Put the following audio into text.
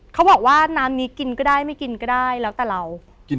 เขาบอกว่าน้ำนี้กินก็ได้ไม่กินก็ได้แล้วแต่เรา